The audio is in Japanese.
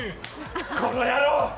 この野郎！